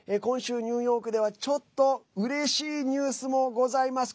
今週ニューヨークでは、ちょっとうれしいニュースもございます。